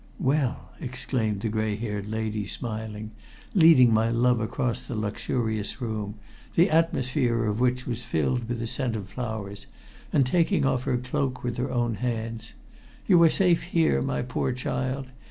"Well," exclaimed the gray haired lady smiling, leading my love across the luxurious room, the atmosphere of which was filled with the scent of flowers, and taking off her cloak with her own hands, "you are safe here, my poor child.